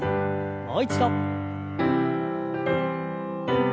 もう一度。